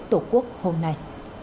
tổ quốc hôm nay